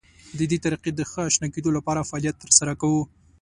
د دې طریقې د ښه اشنا کېدو لپاره فعالیت تر سره کوو.